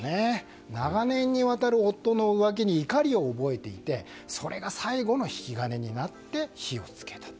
長年にわたる夫の浮気に怒りを覚えていてそれが最後の引き金になって火を付けたと。